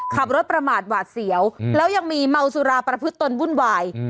ขับรถประมาทหวาดเสียวแล้วยังมีเมาสุราประพฤติตนวุ่นวาย